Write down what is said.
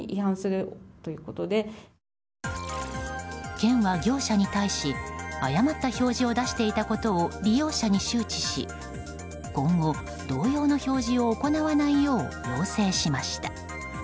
県は業者に対し誤った表示を出していたことを利用者に周知し今後、同様の表示を行わないよう要請しました。